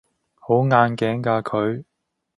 好硬頸㗎佢